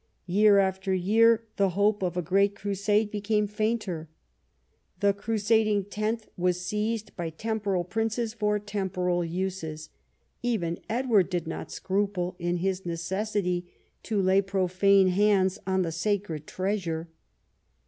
Year after year the hope of a great Crusade became fainter. The crusading tenth was seized by temporal princes for temporal uses : even Edward did not scruple in his necessity to lay profane hands on the sacred treasure.